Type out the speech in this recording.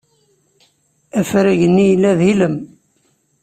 Afrag-nni yella d ilem.